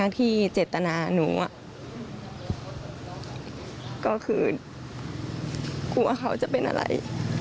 ที่เจตนาหนูก็คือกลัวเขาจะเป็นอะไร